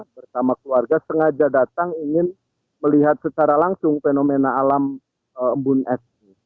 bersama keluarga sengaja datang ingin melihat secara langsung fenomena alam embun es